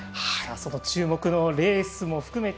注目のレースも含めて